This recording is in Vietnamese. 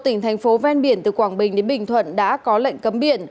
một mươi một tỉnh thành phố ven biển từ quảng bình đến bình thuận đã có lệnh cấm biển